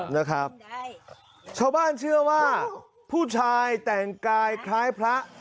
นะครับชาวบ้านเชื่อว่าผู้ชายแต่งกายคล้ายพระ